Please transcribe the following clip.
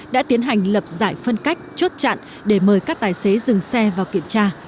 đã tiến hành lập giải phân cách chốt chặn để mời các tài xế dừng xe vào kiểm tra